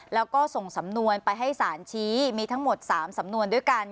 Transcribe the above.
แล้วก็ส่งสำนวนไปให้สารชี้มีทั้งหมด๓สำนวนด้วยกัน